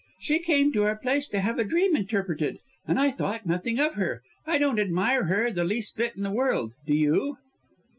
"She came to our place to have a dream interpreted, and I thought nothing of her. I don't admire her the least bit in the world, do you?"